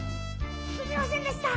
すみませんでした！